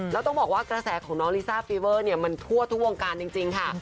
แล้วต้องบอกว่ากระแสของน้องลิซ่าฟีเวอร์เนี่ยมันทั่วทุกวงการจริงค่ะ